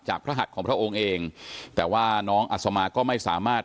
จากภรรภาษีของพระองค์เองแต่ว่าน้องอสมาก็ไม่สามารถ